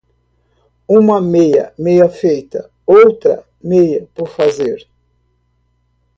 Uma meia meia feita, outra meia por fazer.